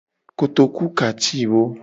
Kotoku ka ci wo.